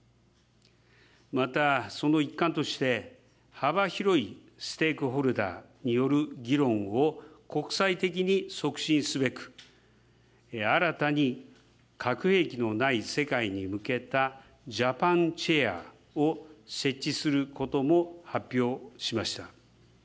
また、その一環として、幅広いステークホルダーによる議論を国際的に促進すべく、新たに核兵器のない世界に向けたジャパン・チェアを設置することも発表しました。